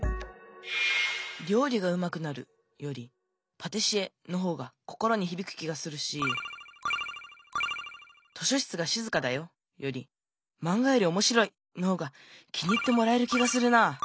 「りょうりが上手くなる」より「パティシエ」の方が心にひびく気がするし「図書室がしずかだよ」より「マンガよりおもしろい」の方が気に入ってもらえる気がするな。